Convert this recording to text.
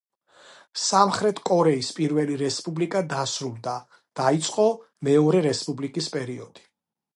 სამხრეთ კორეის პირველი რესპუბლიკა დასრულდა, დაიწყო მეორე რესპუბლიკის პერიოდი.